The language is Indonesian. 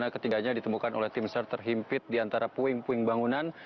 ketiganya ditemukan oleh tim sar terhimpit di antara puing puing bangunan